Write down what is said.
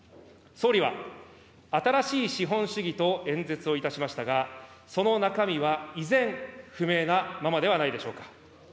総理は新しい資本主義と演説をいたしましたが、その中身は依然、不明なままではないでしょうか。